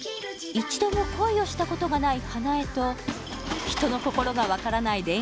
１度も恋をしたことがない花枝と人の心が分からない